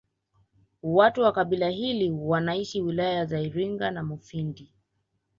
Watu wa kabila hili wanaishi wilaya za Iringa na Mufindi